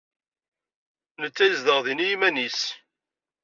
Netta yezdeɣ din i yiman-nnes.